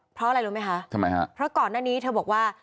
เพราะอะไรรู้ไหมคะทำไมฮะเพราะก่อนหน้านี้เธอบอกว่า